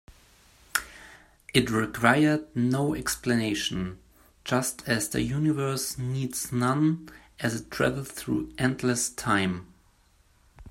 It required no explanation, just as the universe needs none as it travels through endless time.